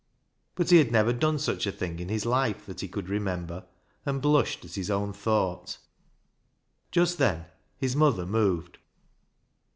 But he had never done such a thing in his life that he could remember, and blushed at his own thought. Just then his mother moved.